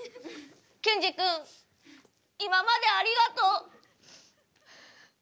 ケンジ君今までありがとう。